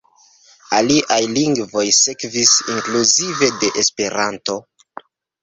Aliaj lingvoj sekvis, inkluzive de Esperanto.